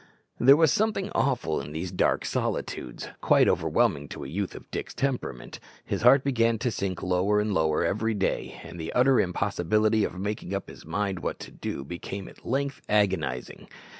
There was something awful in these dark solitudes, quite overwhelming to a youth of Dick's temperament. His heart began to sink lower and lower every day, and the utter impossibility of making up his mind what to do became at length agonizing.